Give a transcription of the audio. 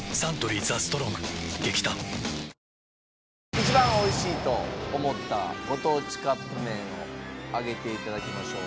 一番美味しいと思ったご当地カップ麺を上げて頂きましょう。